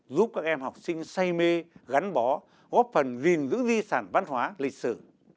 giúp các em học sinh say mê gắn bó góp phần gìn giữ di sản văn hóa lịch sử